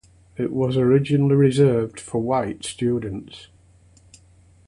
It was originally reserved for white students.